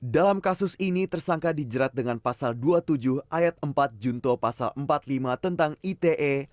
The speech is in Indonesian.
dalam kasus ini tersangka dijerat dengan pasal dua puluh tujuh ayat empat junto pasal empat puluh lima tentang ite